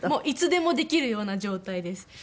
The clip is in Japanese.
いつでもできるような状態です。